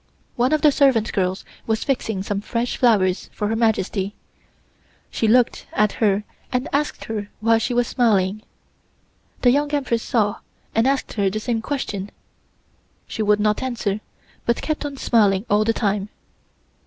One of the servant girls was fixing some fresh flowers for Her Majesty. She looked at her and asked her why she was smiling. The Young Empress saw, and asked her the same question. She would not answer, but kept on smiling all the time.